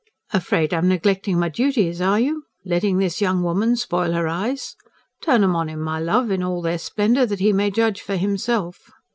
"Afraid I'm neglecting my duties, are you? Letting this young woman spoil her eyes? Turn 'em on him, my love, in all their splendour, that he may judge for himself."